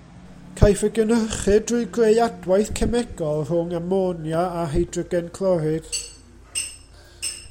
Caiff ei gynhyrchu drwy greu adwaith cemegol rhwng amonia a hydrogen clorid.